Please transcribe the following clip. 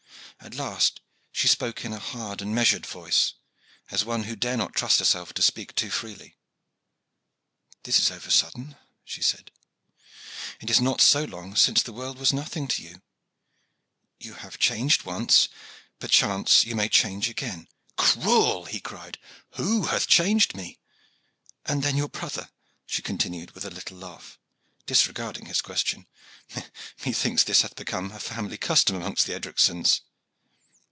At last she spoke in a hard and measured voice, as one who dare not trust herself to speak too freely. "This is over sudden," she said; "it is not so long since the world was nothing to you. You have changed once; perchance you may change again." "Cruel!" he cried, "who hath changed me?" "And then your brother," she continued with a little laugh, disregarding his question. "Methinks this hath become a family custom amongst the Edricsons.